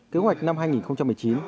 kế hoạch năm hai nghìn một mươi chín